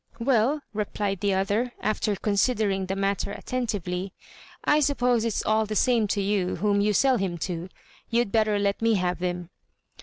"Well," replied the other, after considering the matter attentively, "I suppose it's all the same to you whom you sell him to. You'd better let me have him."